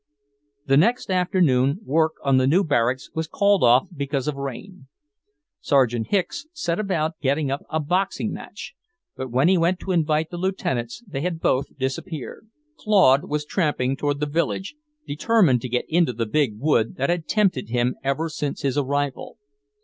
The next afternoon, work on the new barracks was called off because of rain. Sergeant Hicks set about getting up a boxing match, but when he went to invite the lieutenants, they had both disappeared. Claude was tramping toward the village, determined to get into the big wood that had tempted him ever since his arrival.